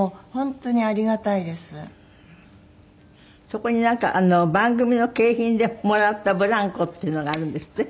そこになんか番組の景品でもらったブランコっていうのがあるんですって？